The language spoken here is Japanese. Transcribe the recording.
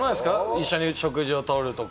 一緒に食事を取るとか。